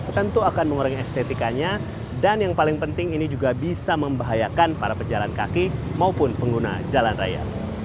tentu akan mengurangi estetikanya dan yang paling penting ini juga bisa membahayakan para pejalan kaki maupun pengguna jalan raya